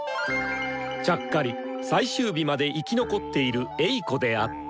ちゃっかり最終日まで生き残っているエイコであった。